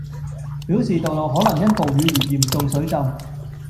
表示道路可能因暴雨而嚴重水浸